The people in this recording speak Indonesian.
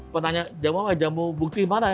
pertanyaan jamu apa jamu bukti dimana ya